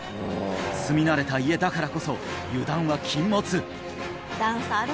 住み慣れた家だからこそ油断は禁物！